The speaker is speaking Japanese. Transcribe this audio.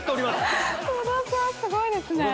すごいですね。